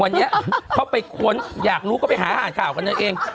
วันนี้เขาไปค้นอยากรู้ก็ไปหาอ่านข่าวกันนั่นเอง